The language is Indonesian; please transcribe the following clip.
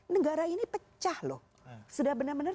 negara ini pecah loh sudah benar benar